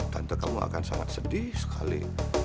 tentu kamu akan sangat sedih sekali